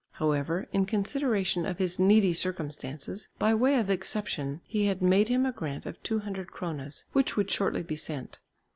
However, in consideration of his needy circumstances, by way of exception, he had made him a grant of 200 kronas, which would shortly be sent.